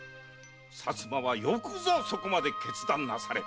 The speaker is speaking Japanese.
薩摩はよくぞそこまで決断なされた。